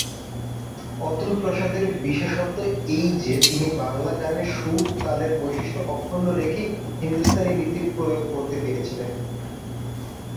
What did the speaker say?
অতুল প্রসাদের বিশেষত্ব এই যে, তিনি বাংলা গানের সুর-তালের বৈশিষ্ট্য অক্ষুণ্ণ রেখেই হিন্দুস্তানি রীতির প্রয়োগ করতে পেরেছিলেন।